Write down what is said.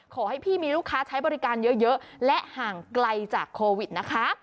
ขอให้พี่มีลูกค้าใช้บริการเยอะและห่างไกลจากโควิดนะคะ